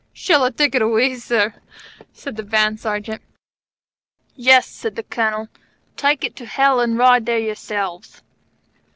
"Shall I take it away, sir?" said the Band Sergeant. "Yes," said the Colonel, "take it to Hell, and ride there yourselves!"